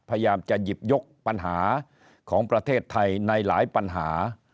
พยายามจะหยิบยกปัญหาของประเทศไทยในหลายปัญหา